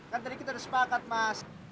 kan tadi kita sudah sepakat mas